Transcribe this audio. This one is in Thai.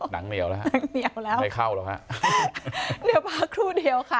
หนังเหนียวแล้วครับไม่เข้าหรอกครับ